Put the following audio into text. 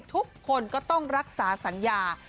ทุกคนก็ต้องรักษาสัญญา